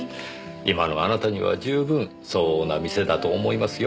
今のあなたには十分相応な店だと思いますよ。